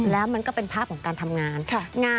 แล้วมันก็เป็นภาพของการทำงาน